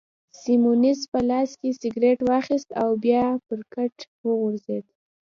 سیمونز په لاس کي سګرېټ واخیست او بیا پر کټ وغځېد.